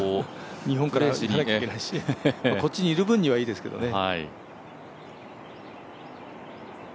日本から行かなければいけないし、こっちにいる分にはいいですけどね。